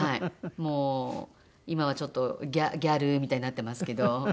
もう今はちょっとギャルみたいになってますけど。